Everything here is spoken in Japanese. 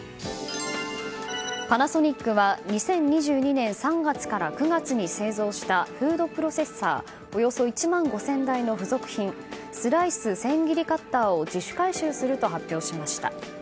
パナソニックは２０２２年３月から９月に製造したフードプロセッサーおよそ１万５０００台の付属品スライス・せん切りカッターを自主回収すると発表しました。